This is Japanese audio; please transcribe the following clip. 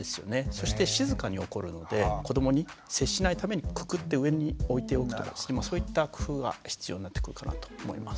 そして静かに起こるので子どもに接しないためにくくって上に置いておくとかそういった工夫は必要になってくるかなと思います。